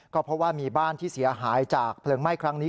ก็เพราะว่ามีบ้านที่เสียหายจากเพลิงไหม้ครั้งนี้